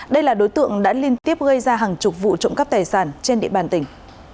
đây là đối tượng đã liên tiếp gây ra hàng chục vụ trộm cắp tài sản trên địa bàn tỉnh